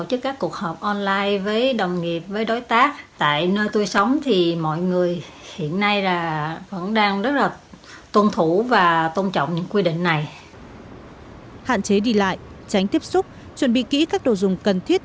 hạn chế đi lại tránh tiếp xúc chuẩn bị kỹ các đồ dùng cần thiết